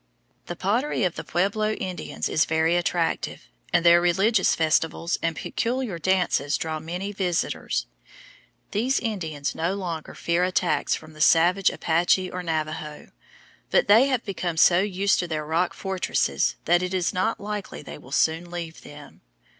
The pottery of the Pueblo Indians is very attractive, and their religious festivals and peculiar dances draw many visitors. These Indians no longer fear attacks from the savage Apache or Navajo, but they have become so used to their rock fortresses that it is not likely they will soon. leave them.